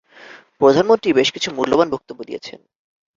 প্রধানমন্ত্রী বেশ কিছু মূল্যবান বক্তব্য দিয়েছেন।